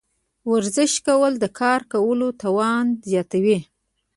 ورزش کول د کار کولو توان زیاتوي.